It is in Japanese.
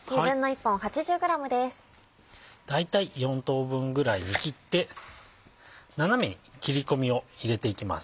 大体４等分ぐらいに切って斜めに切り込みを入れていきます。